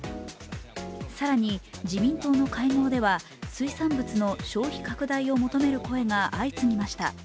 更に自民党の会合では、水産物の消費拡大を求める声が相次ぎました。